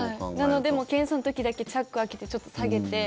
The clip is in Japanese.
なので検査の時だけチャック開けてちょっと下げて。